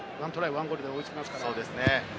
１ゴールで追い付けますからね。